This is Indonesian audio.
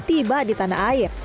tiba di tanah air